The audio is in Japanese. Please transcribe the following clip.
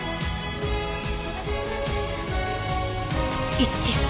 一致した。